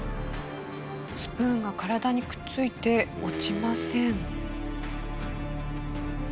スプーンが体にくっついて落ちません。